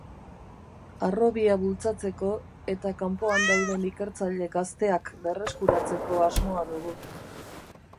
Harrobia bultzatzeko eta kanpoan dauden ikertzaile gazteak berreskuratzeko asmoa dugu.